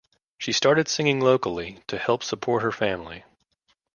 She started singing locally to help support her family.